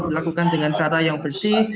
lakukan dengan cara yang bersih